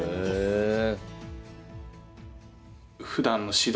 へえ。